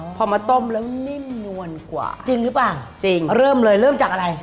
พอมาต้มแล้วนิ่มนวลกว่าจริงหรือเปล่าจริงเริ่มเลยเริ่มจากอะไร